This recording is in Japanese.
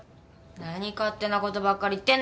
何勝手なことばっかり言ってんのよ！